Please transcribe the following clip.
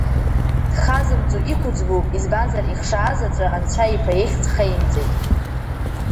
Дхазымҵо иқәыӡбоуп, избанзар Ихшаазаҵәы Анцәа Иԥа ихьӡ хеимҵеит.